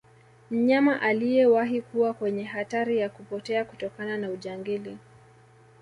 mnyama aliyewahi kuwa kwenye hatari ya kupotea kutokana na ujangili